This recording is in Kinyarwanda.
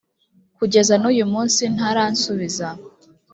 kugeza n’uyu munsi ntarasubiza